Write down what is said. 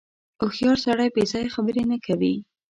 • هوښیار سړی بېځایه خبرې نه کوي.